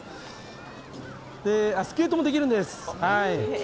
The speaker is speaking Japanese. スケートもできるんです。